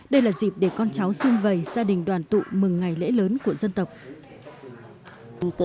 đây là dịp để con cháu xuyên vầy gia đình đoàn tụ mừng ngày lễ lớn của dân tộc